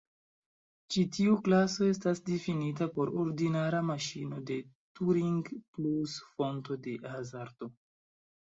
Ĉi tiu klaso estas difinita por ordinara maŝino de Turing plus fonto de hazardo.